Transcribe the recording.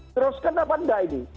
terus kenapa enggak ini